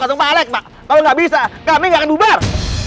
kalau nggak bisa kami nggak akan bubar